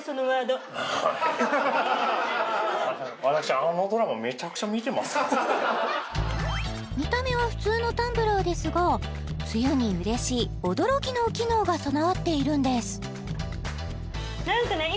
はい見た目は普通のタンブラーですが梅雨に嬉しい驚きの機能が備わっているんです何かね